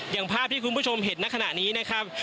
อย่างภาพที่คุณผู้ชมเห็นในขณะนี้นะครับ